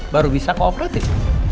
baru bisa kooperatif